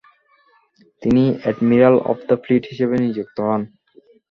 তিনি admiral of the fleet হিসেবে নিযুক্ত হন।